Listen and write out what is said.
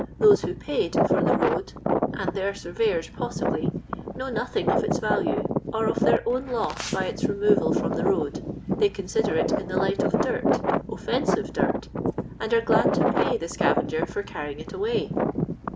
Those who paid for the road— and their surveyors, j^osn^y ^mow nothing of its value, or of their own loss by its removal from the road ; they eonsider it in the light of dirt — ofetuive dirt — and are glad to pajf the scavenger for carrying it away!